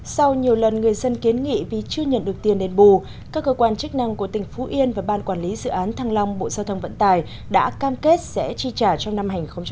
sau nhiều lần người dân kiến nghị vì chưa nhận được tiền đền bù các cơ quan chức năng của tỉnh phú yên và ban quản lý dự án thăng long bộ giao thông vận tài đã cam kết sẽ chi trả trong năm hai nghìn hai mươi